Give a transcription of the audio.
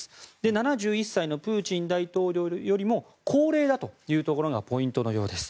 ７１歳のプーチン大統領よりも高齢だというところがポイントのようです。